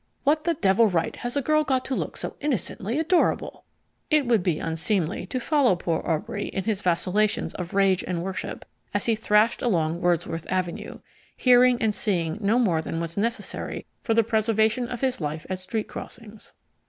"What the devil right has a girl got to look so innocently adorable?" It would be unseemly to follow poor Aubrey in his vacillations of rage and worship as he thrashed along Wordsworth Avenue, hearing and seeing no more than was necessary for the preservation of his life at street crossings.